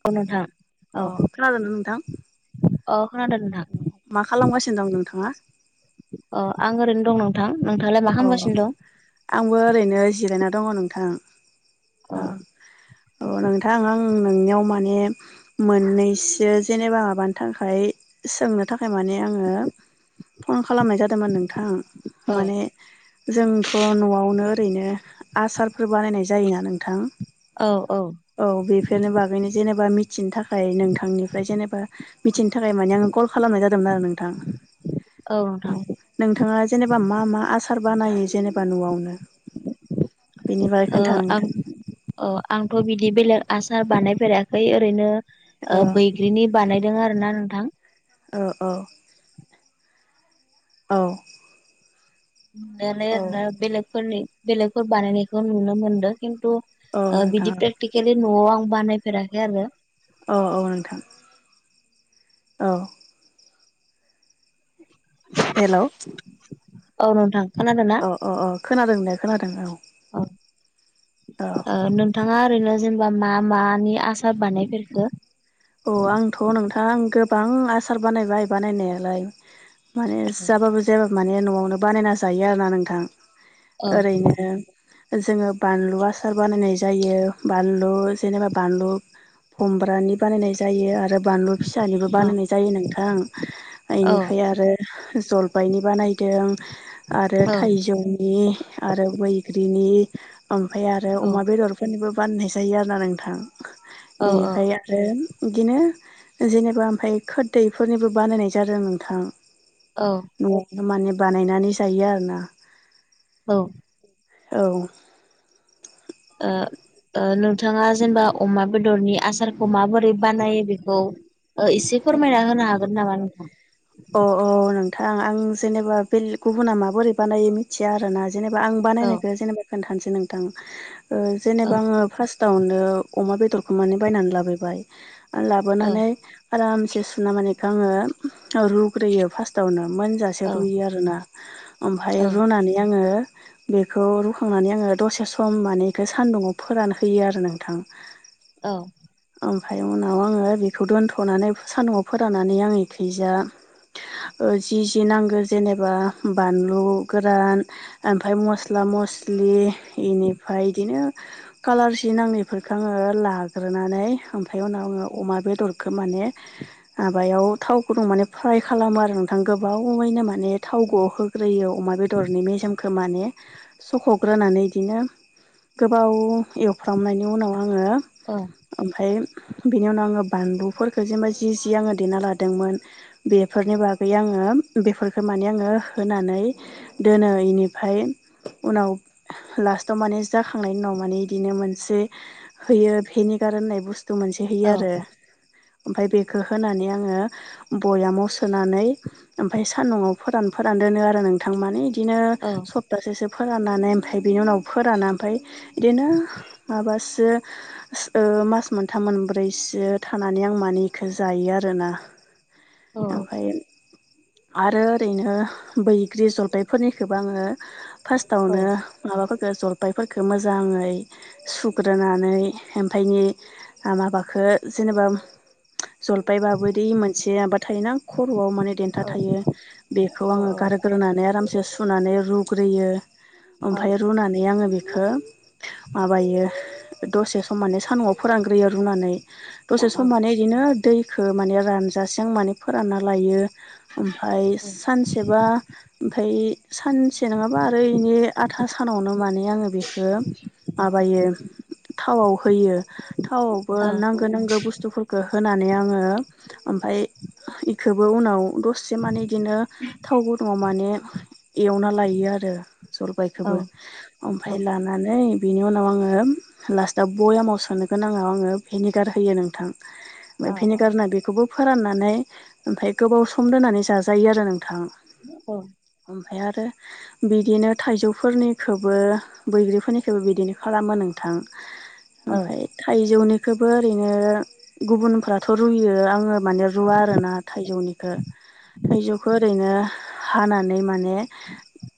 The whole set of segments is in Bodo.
नंगौ नोंथां अ खोनादोंना नोंथां अ खोनादो मा खालामगासिनो दं नोंथाङा अ आं ओरैनो दं नोंथां नोंथाङालाय मा अ खालामगासिनो दं आंबो ओरैनो जिरायना दङ नोंथां औ औ-औ नोंथां आं आं नोंनियाव माने मोननैसो जेनेबा माबानि थाखाय सोंनो थाखाय माने आङो फन खालामनाय जादोंमोन नोंथां माने जोंथ' न'आवनो ओरैनो आसारफोर बानायनाय जायोना नोंथां औ-औ औ बेफोरनो बागैनो जेनेबा मिथिनो थाखाय नोंथांनिफ्राय जेनेबा मिथिनो थाखाय माने आंङो कल खालामनाय जादोंमोन आरो नोंथां औ नोंथांङा जेनेबा मा मा आसार बानायो जेनेबा न'आवनो बेनि बागै ओ खोन्था आं नोंथां अ आंथ' बिदि बेलेग आसार बानायफेराखै ओरैनो औ ओ बैग्रिनि बानायदों आरो ना नोंथां ओ औ औ नुनायालाय औ ओरैनो बेलेगफोरनि बेलेगफोर बानायनायखौ नुनो मोनदों खिन्थु औ ओ नोंथां बिदि प्रेक्टिकेलि न'आव आं बानायफेराखै आरो अ-अ नोंथां औ [inaudible] हेल' औ नोंथां थांखानादों ना अ-अ-अ खोनादों दे खोनादों औ औ ओ नोंथाङा ओरैनो जेनेबा मा मानि आसार बानायफेरखो अ आंथ' नोंथां गोबां आसार बानायबाय बानायनायालाय माने जाबाबो जायाबो माने न'आवनो बानायना जायो आरोना नोंथां औ ओरैनो जोंङो बानलु आसार बानायनाय जायो बानलु जेनेबा बानलु खुमब्रानि बानायनाय जायो आरो बानलु फिसानिबो बानायनाय जायो नोंथां औ इनिफ्राय आरो जलफायनि बानायदों आरो औ थाइजौनि आरो बैग्रिनि ओमफाय आरो औ अमा बेदर बेफोरनिबो बाननाय जायो आरो ना नोंथां औ औ बेनिफ्राय आरो बिदिनो जेनेबा ओमफाय खोरदैफोरनिबो बानायनाय जादों नोंथां। औ न'आव माने बानायनानै जायो आरो ना औ औ ओ ओ नोंथांङा जेनेबा अमा बेदरनि आसारखौ माबोरै बानायो बेखौ ओ एसे फोरमायना होनो हागोन नामा नोंथां। अ औ नोंथां आं जेनेबा बे बेले गुबुना माबोरै बानायो मिथिया आरोना जेनेबा आं औ बानायनायखौ जेनेबा खोन्थानोसै नोंथां ओ औ जेनेबा आङो फार्स्ट तावनो अमा बेदरखौ माने बायनानै लाबोबाय आरो औ लाबोनानै आरामसे सुना मानेखौ आंङो रुग्रोयो फार्स्टावनो मोनजा से औ रुयो आरोना ओमफाय औ रुनानै आंङो बेखौ रुखांनानै आंङो दसे सम माने बेखौ सान्दुङाव फोरान होयो आरो नोंथां औ ओमफ्राय उनाव आङो बेखौ दोन्थ'नानै सान्दुंआव फोराननानै आं इखैजाय जि जि नांगौ जेनेबा बानलु गोरान ओमफाय मस्ला मस्लि इनिफाय इदिनो कालार जि नांगो इफोरखो आंङो लाग्रोनानै बिनिफाय उनाव आंङो औ अमा बेदरखौ माने माबायाव थाव गुदुं मेने फ्राय खालामो आरो नोंथां गोबावैनो माने थाव ग' हो ग्रोयो अमा बेदरनि मेजेमखौ माने सख'ग्रोनानै इदिनो गोबाव एवफ्रामनायनि उनाव आंङो अ ओमफ्राय बिनि उनाव आंङो बानलुफोरखौ जेनेबा जि जि आङो देना लादोंमोन। बेफोरनि बागै आंङो बेफोरखो माने आंङो होनानै दोनो इनिफाय उनाव लास्टाव माने जाखांनायनि उनाव माने आदिनो मोनसे होयो भेनिगार होननाय बुस्थु मोनसे औ होयो आरो ओमफाय बेखो होनानै आङो बयामाव सोनानै ओमफाय सान्दुङाव फोरान फोरान दोनो आरो नोंथां माने इदिनो ओ सप्तासेसो फोराननानै ओमफाय बेनि उनाव फोराना ओमफाय इदिनो माबासो ओ मास मोनथाम मोनब्रैसो थानानै आं माने इखो जायो आरोना औ ओमफाय आरो ओरैनो बैग्रि जलपायफोरनिखौबो आङो फार्स्टआवनो माबाफोरखो जलपायफोरखो मोजाङै सुग्रोनानै ओमफायनि माबाखो जेनेबा जलपायबाबो दि से माबा थायोना खर'आव माने देन्था थायो बेखौ आङो गारो ग्रोनानै आरामसे सुनानै रुग्रोयो औ ओमफाय रुनानै आङो बेखो माबायो दसे सम माने सान्दुङाव फोरानग्रोयो रुनानै दसे सम माने इदिनो दैखो माने रान जासिम माने फोरानना लायो ओमफाय औ सानसेबा ओमफाय सानसे नङाबा आरो इनि आधा सानावनो माने आङो बेखो माबायो थावआव होयो थावआवबो औ नांगौ होनांगौ बुथुफोरखौ होनानै आङो ओमफाय इखोबो उनाव दसे से माने इदिनो थाव गुदुङाव माने एवना लायो आरो जलपायखोबो ओमफाय लानानै बेनि उनाव आङो लास्टआव बयामाव सोनो गोनाङाव आङो भिनिगार होयो नोंथां। ओमफाय औ भिनेगार होना बेखौबो फोराननानै ओमफाय गोबाव सम दोननानै जाजायो आरो नोंथां। अ। ओमफाय आरो बिदिनो थाइजौफोरनिखौबो बैग्रिफोरनिखोबो बिदिनो खालामो नोंथां। ओमफाय थाइजौनिखोबो ओरैनो गुबुनफ्राथ' रुयो आङो माने रुवा आरोना थाइजौनिखो थाइजौनिखो ओरैनो हानानै माने ने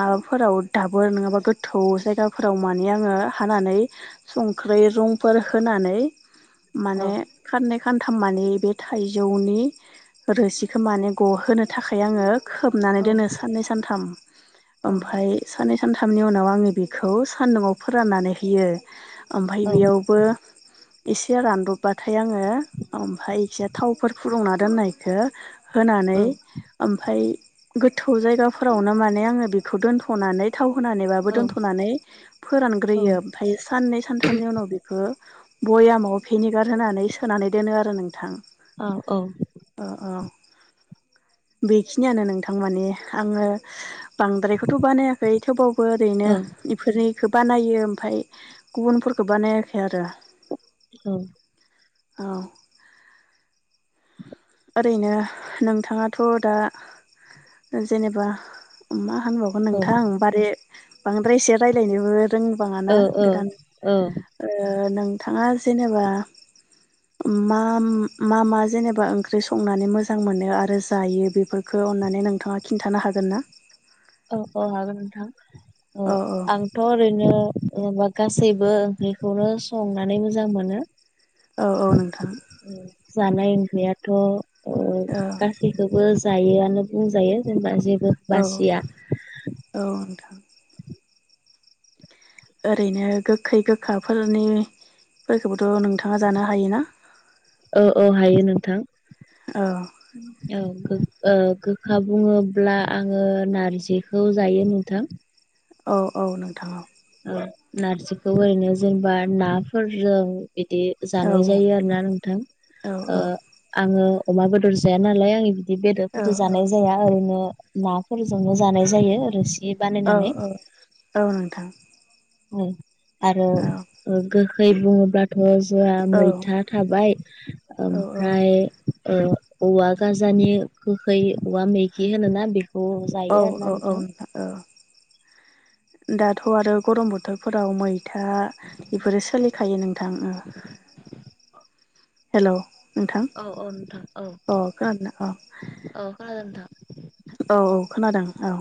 माबाफोराव दाबोर नङाबा गोथौ जायगाफोराव माने आङो हानानै संख्रै रंफोर होनानै औ माने खाननै खानथाम मानि बे थाइ जौनि रोसिखो माने गहोनो थाखाय आङो खोब औ नानै दोनो साननै सानथाम ओमफाय साननै सानथामनि उनाव आङो बिखौ सान्दुङाव फोराननानै होयो। ओमफाय बेयावबो एसे रानदबबाथाय आङो ओमफाय इखो थावफोर फुदुंना दोननायखो होनानै ओमफाय गोथौ जायगाफोरावनो माने आङो बिखौ दोनथ'नानै थाव होनानैबाबो दोनथ'नानै फोरानग्रोयो ओमफाय साननै सानथामनि उनाव ओ बयामाव भिनेगार होनानै सोनानै दोनो आरो नोंथां। औ औ। ओ औ। बेखिनियानो नोंथां माने आङो बांद्रायखौथ' बानायाखै थेवबा बो ओरैनो इफोरनिखो बानायो ओमफाय गुबुनफोरखो बानायाखै आरो औ। औ। ओरैनो नोंथाङाथ' दा जेनेबा मा होनबावो अ नोंथांं बारे बांद्राय एसो रायलायनोबो रोंबाङाना गोदान ओ नोंथाङा जेनेबा मा मा मा जेनेबा ओं ओंख्रि संनानै मोजां मोनो आरो जायो बेफोरखौ अन्नानै नोंथाङा खिन्थानो हागोन ना? अ अ हागोन नोंथां। ओ औ। थ' ओरैनो ओ गासैबो ओंख्रिखौनो संनानै मोजां मोनो। औ औ नोंथां। [unintelligible] खौबो औ जायोआनो बुंजायो जेनेबा जेबो औ बासिया। औ नोंथां। ओरैनो गोखै गोखाफोरनि फोरखौबोथ' नोंथाङा जानो हायोना? औ औ हायो नोंथां। औ औ ओ गोखा बुङोब्ला आङो नारजिखौ जायो नोंथां। औ औ नोंथां औ। औ नारजिखौ ओरैनो जेनेबा नाफोरजों इदि औ जानाय जायो आरोना नोंथां औ ओ औ आङो अमा बेदर जाया नालाय आंनि बिदि बेदरफोरजों जानाय औ जाया ओरैनो नाफोरजोंनो जानाय जायो रोसि औ बानायनानै औ औ नोंथां। आरो औ ओ गोखै बुङोब्लाथ' जआ औ मैथा थाबाय औ ओमफ्राय ओ औवा गाजानि गोखै औवा मैगि होनोना बे औ औ औ ओ दाथ' आरो गरम बोथोरफोराव मैथा बेफोरो सोलिखायो नोंथां ओ हेल' नोंथां औ औ नोंथां औ अ खोनादोंना औ औ खोनादों नोंथां औ औ खोनादों औ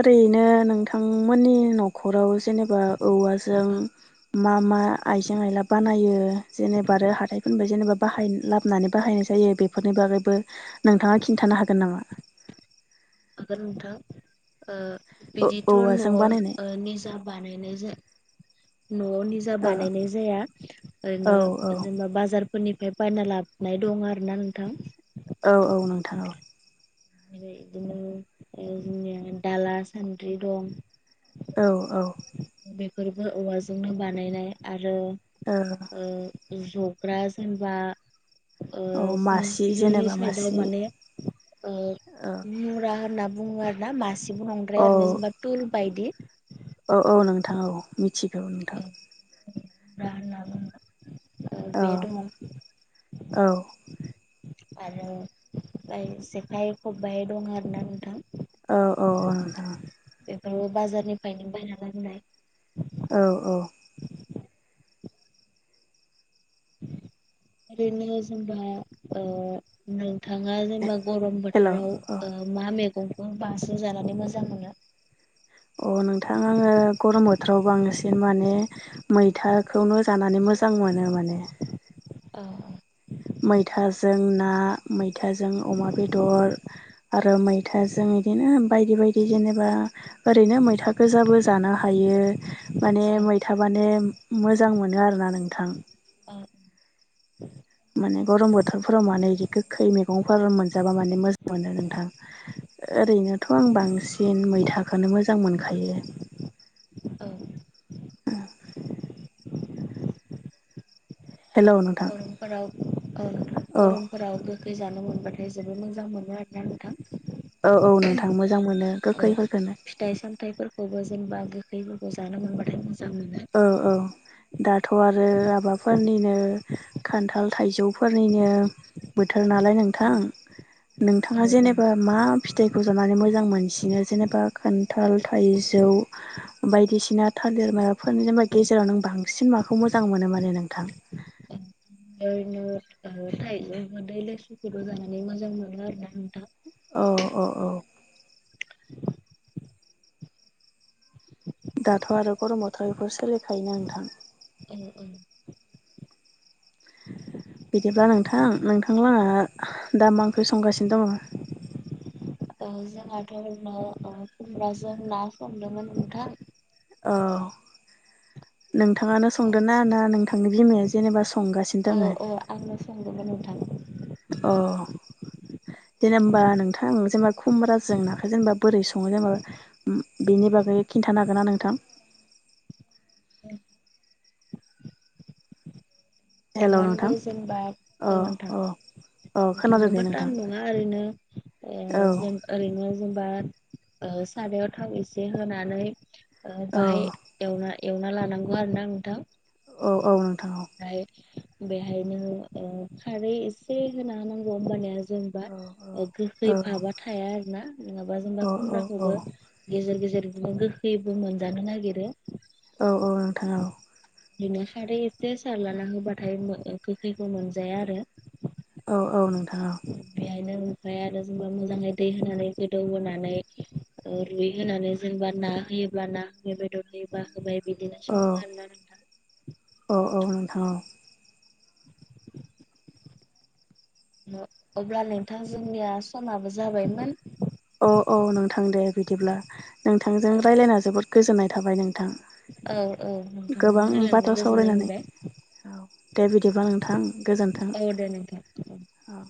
ओरैनो नोंथांमोननि न'खराव जेनेबा औवाजों औ मा मा आइजें आइला बानायो जेनेबा आरो हाथायफोरनिफफ्राय जेनेबा बाहाय लाबोनानै बाहायनाय जायो। बेफोरनि बागैबो नोंथाङा खिन्थानो हागोन नामा? हागोन नोंथां ओ बिदिथ' न'आव औवाजों बानायनाय ओ निजा बानायनाय जे नयाव निज दा औ बानायनाय जाया औ ओरैनो औ जेनेबा बाजार फोरनिफ्राय बायना लाबोनाय दं आरोना नोंथां औ औ नोंथां औ ओमफ्राय बिदिनो जोंनिया दाला सान्द्रि दं औ औ बेफोरबो औवाजोंनो बानायनाय आरो औ ओ जग्रा जेनबा ओ औ जों मासि जोंनि जेनेबा साइदाव मासि माने ओ औ मुरा होनना बुङो आरो ना मासिबो नंद्राया आरोना जेनेबा टुल बायदि औ औ नोंथां औ मिथिगौ नोंथां ब्रा होनना बुङो औ बे दङ औ आरो फाय जेखाइ खबाइ दं आरोना नोंथां औ औ औ नथां बेफोरबो बाजारनिफ्रायनो बायना लाबोनाय औ औ ओरैनो जों दा ओ नोंथाङा जेनेबा गरम हेल' बोथोराव औ ओ मा मेगंखौ बांसिन जानानै मोजां मोनो अ नोंथां आङो गरम बोथोराव बांसिन माने मैथाखौनो जानानै मोजां मोनो माने औ मैथाजों ना मैथाजों अमा बेदर आरो औ मैथाज जों बिदिनो बायदि बायदि जेनेबा ओरैनो मैथा गोजाबो जानो हायो माने मैथा बाने मोजां मोनो आरोना नोंथां औ माने गरम बोथोरफोराव माने बिदि गोखै मैगंफोर मोनजाबा माने मोजां मोनो नोंथां ओरैनोथ' आं बांसिन मैथाखौनो मोजां मोनखायो औ हेलौ नोंथां फोराव ओ औ गरम फोराव गोखै जानो मोनबाथाय जोबोद मोजां मोनो आरोना नोंथां औ औ नोंथां मोजां मोनो औ गोखै फोरखौनो फिथाइ सामथाइफोरखौबो जेनेबा गोखै फोरखौ जानो मोनबाथाय मोजां मोनो औ औ दाथ' आरो आबाफोरनिनो खान्थाल थाइजौफोरनिनो बोथोर नालाय नोंथां औ नोंथाङा जेनेबा मा फिथाइखौ जानानै मोजां मोनसिनो जेनेबा खान थाल थाइजौ बायदिसिना थालिर माब फोर जेनेबा गेजेराव नों बांसिन माखौ मोजां मोनो माने नोंथां? ओरैनो ओ थाइजौ मोन लेसु फोरखौबो जानानै मोजां मोनो आरो ना नोंथां। अ अ औ। दाथ' आरो गरम बोथोराव बेफोर सोलिखायोना नोंथां? औ औ बिदिब्ला नोंथां नोंथांला ह दामा ओंख्रि संगासिनो दङ? ओ जोंहाथ' र नो खुमब्राजों ना संदोंमोन नोंथां औ नोंथाङानो संदों ना औ ना नोंथांनि बिमाया जेनेबा संगासिनो? दङ औ औ आंनो संदोंमोन नोंथां औ जेनेबा नोंथां जेनेबा खुमब्राजों नाखौ जेनेबा बोरै सङो जेनेबा? ओम बिनि बागै खिन्थानो हागोना नोंथां? हेल' एमानबो नोंथां जेनबा अ ओ नोंथां अ अ खोनादों दे इमानबो नोंथां दाम नङा ओरैनो ओ औ जेन ओरैनो जेनबा ओ सारायाव थाव एसे होनानै औ बाहाय एवना-एवना लानांगौ आरो ना नोंथां। औ औ नोंथां औ। हाय बेहायनो खारै एसे होना नांगौ होमबानिया जेनेबा औ औ गोखै औ फाबा थाया आरो ना नङाबा जेनेबा औ खुमब्राखौबो गेजेर गेजेर बिदिनो गोखैबो मोनजानो नागिरो। औ औ नोंथां औ। बिदिनो खारै एसे सारलाना होबाथाय गोखैखौ मोनजाया आरो। औ औ नोंथां औ ‌। बेहायनो ओमफाय आरो जेनबा मोजाङै दै होनानै गोदौ होनोनानै ओ रुइ होनानै जेनेबा ना होयोब्ला ना हफैबाय बेदरहयोबा होबाय बिदिनो संङो औ आरो ना नोंथां। औ औ नोंथांऔ। अब्ला नोंथां जोंनिया समाबो जाबायमोन। औ औ नोंथां दे बिदिब्ला नोंथांजों रायज्लायना जोबोद गोजोननाय थाबाय नोंथां। औ औ गोबां नोंथांजोंबो रायजलायनानै बाथ्रा गोजोननाय सावरायनानै मोनबाय। औ दे बिदिबा नोंथां गोजोन्थों। औ दे नोंथां औ।